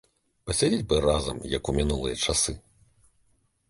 Пасядзець бы разам, як у мінулыя часы.